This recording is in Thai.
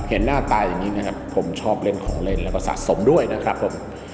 หน้าตาอย่างนี้นะครับผมชอบเล่นของเล่นแล้วก็สะสมด้วยนะครับผม